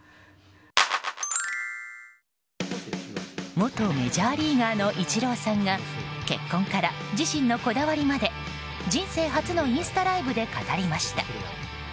元メジャーリーガーのイチローさんが結婚から自身のこだわりまで人生初のインスタライブで語りました。